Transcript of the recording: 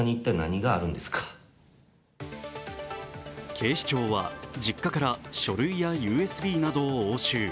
警視庁は、実家から書類やＵＳＢなどを押収。